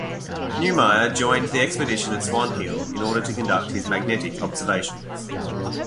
Neumayer joined the Expedition at Swan Hill in order to conduct his magnetic observations.